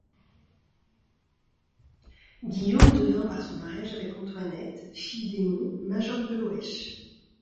Guillaume devint par son mariage avec Antoinette, fille d'Aymon, major de Loèche.